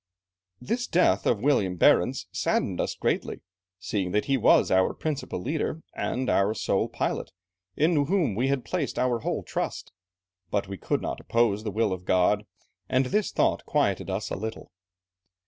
This death of William Barentz saddened us greatly, seeing that he was our principal leader, and our sole pilot, in whom we had placed our whole trust. But we could not oppose the will of God, and this thought quieted us a little."